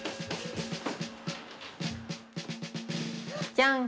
ジャン！